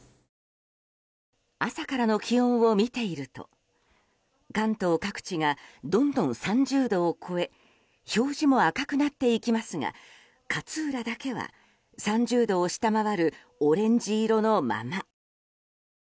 朝からの気温を見ていると関東各地がどんどん３０度を超え表示も赤くなっていきますが勝浦だけは３０度を下回るオレンジ色のまま。